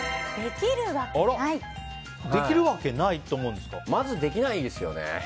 できるわけないとまず、できないですよね。